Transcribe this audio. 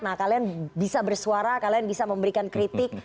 nah kalian bisa bersuara kalian bisa memberikan kritik